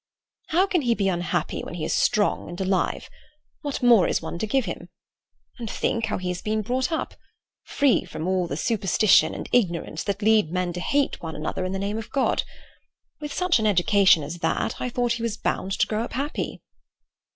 "How can he be unhappy when he is strong and alive? What more is one to give him? And think how he has been brought up—free from all the superstition and ignorance that lead men to hate one another in the name of God. With such an education as that, I thought he was bound to grow up happy."